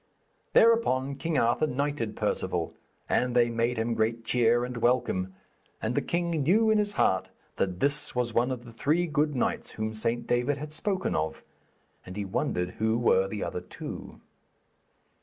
Thereupon King Arthur knighted Perceval, and they made him great cheer and welcome; and the king knew in his heart that this was one of the three good knights whom St. David had spoken of, and he wondered who were the other two.